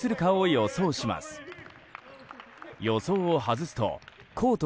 予想を外すとコート